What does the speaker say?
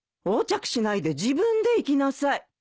横着しないで自分で行きなさい。